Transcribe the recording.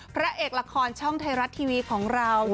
พระเอกละครช่องไทยรัฐทีวีของเรา